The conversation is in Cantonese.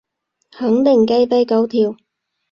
肯定雞飛狗跳